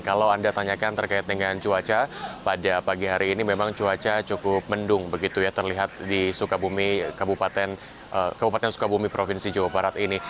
kalau anda tanyakan terkait dengan cuaca pada pagi hari ini memang cuaca cukup mendung begitu ya terlihat di sukabumi kabupaten sukabumi provinsi jawa barat ini